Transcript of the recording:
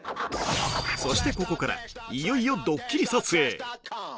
そしてここからいよいよどっきり撮影